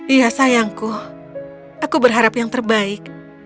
iya sayangku aku berharap yang terbaik